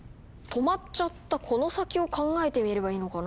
止まっちゃったこの先を考えてみればいいのかな。